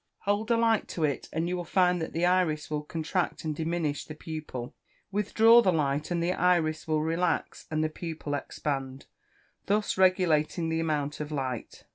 Hold a light to it, and you will find that the iris will contract and diminish the pupil; withdraw the light, and the iris will relax, and the pupil expand, thus regulating the amount of light.